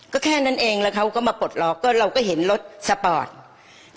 ก็แค่นั้นเองแล้วเขาก็มาปลดล็อกก็เราก็เห็นรถสปอร์ต